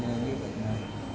như là như bệnh